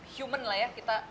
human lah ya kita